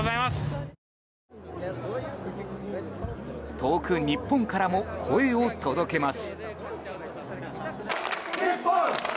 遠く日本からも声を届けます。